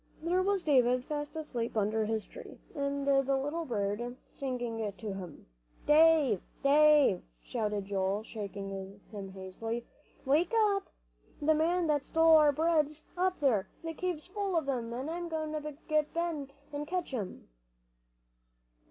There was David fast asleep under his tree, and the little bird singing to him. "Dave Dave!" shouted Joel, shaking him hastily, "wake up! The man that stole our bread's up there. The cave's full of 'em. I'm goin' to get Ben, an' catch 'em!"